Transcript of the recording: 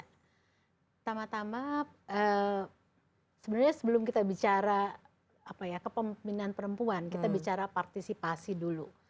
pertama tama sebenarnya sebelum kita bicara kepemimpinan perempuan kita bicara partisipasi dulu